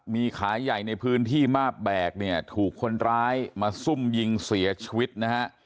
มีขายใหญ่ในพื้นที่มาบแบกเนี่ยถูกคนร้ายมาซุ่มยิงเสียชีวิตนะฮะ